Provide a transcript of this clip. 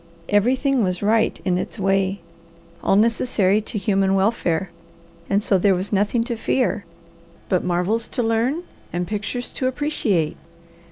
Everything was right in its way, all necessary to human welfare, and so there was nothing to fear, but marvels to learn and pictures to appreciate.